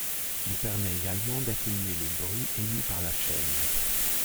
Il permet également d’atténuer le bruit émis par la chaîne.